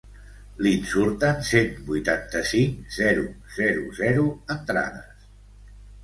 Li'n surten cent vuitanta-cinc.zero zero zero entrades.